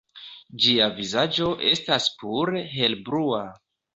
Ĝia vizaĝo estas pure helblua.